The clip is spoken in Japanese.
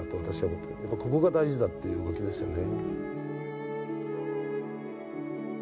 ここが大事だっていう動きですよね。